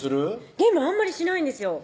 ゲームあんまりしないんですよ